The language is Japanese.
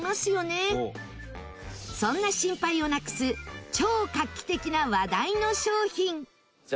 そんな心配をなくす超画期的な話題の商品玉森：